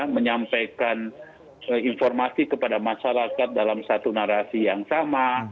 menyampaikan informasi kepada masyarakat dalam satu narasi yang sama